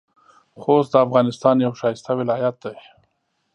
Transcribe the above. خوست د افغانستان یو ښایسته ولایت دی.